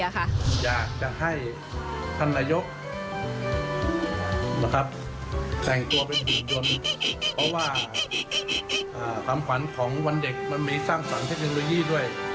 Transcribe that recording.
อยากจะให้ท่านนายกแต่งตัวเป็นหุ่นยนต์เพราะว่าความฝันของวันเด็กมันมีสร้างสรรคเทคโนโลยีด้วย